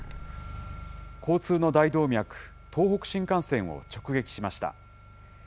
交通の大動脈、東北新幹線を直撃しました。